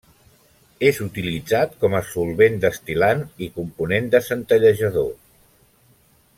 És utilitzat com a solvent, destil·lant, i component de centellejador.